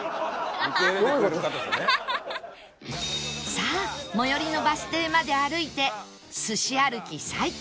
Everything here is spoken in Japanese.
さあ最寄りのバス停まで歩いてすし歩き再開